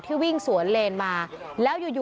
ที่วิ่งสวนเรนมา